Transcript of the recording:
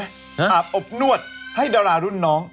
อาบอบนวดให้ดารารุ่นน้อง